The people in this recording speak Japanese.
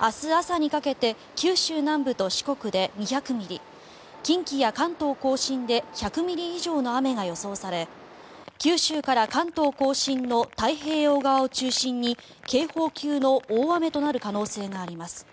明日朝にかけて九州南部と四国で２００ミリ近畿や関東・甲信で１００ミリ以上の雨が予想され九州から関東・甲信の太平洋側を中心に警報級の大雨となる可能性があります。